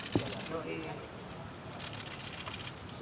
makannya tetap indonesia